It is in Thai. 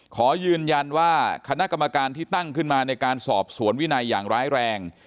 ขอยืนยันว่าคณะกรรมการที่ตั้งขึ้นมาในการสอบสวนวินัยอย่างร้ายแรง